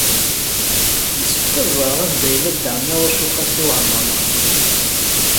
Yessefk ad ẓreɣ anda yella Dda Ɛmiiruc u Qasi Waɛmer n Ḥmed.